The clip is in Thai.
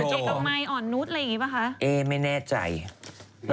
ออนนูดอะไรอย่างนี้ป่ะคะ